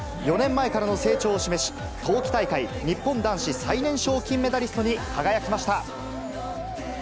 ４年前からの成長を示し、冬季大会、日本男子最年少金メダリストに輝きました。